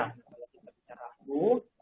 kalau kita bicara flu